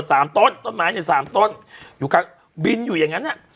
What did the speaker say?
สามต้นต้นไม้เนี้ยสามต้นอยู่กลางบินอยู่อย่างงั้นอ่ะ